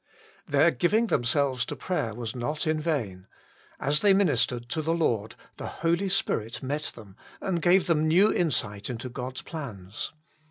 Their giving themselves to prayer was not in vain : as they ministered to the Lord, the Holy Spirit met them, and gave them new insight into God s plans.